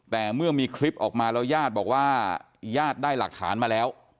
แต่เมื่อมีคลิปออกมาแล้วญาติบอกว่าญาติได้หลักฐานมาแล้ว